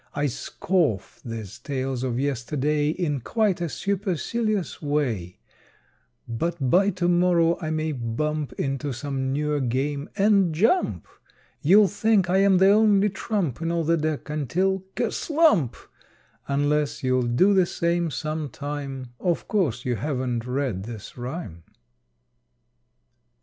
I scoff these tales of yesterday In quite a supercilious way, But by to morrow I may bump Into some newer game and jump! You'll think I am the only trump In all the deck until kerslump! Unless you'll do the same some time, Of course you haven't read this rime.